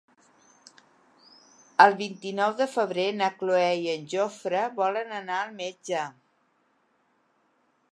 El vint-i-nou de febrer na Cloè i en Jofre volen anar al metge.